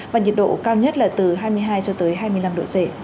và nhiệt độ cao nhất là từ hai mươi hai cho tới hai mươi năm độ c